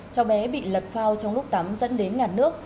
cháu bé bị lật phao trong lúc tắm dẫn đến ngản nước